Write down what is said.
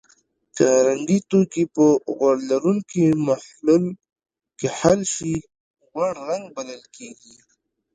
که رنګي توکي په غوړ لرونکي محلل کې حل شي غوړ رنګ بلل کیږي.